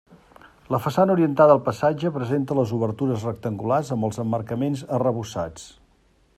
La façana orientada al passatge presenta les obertures rectangulars amb els emmarcaments arrebossats.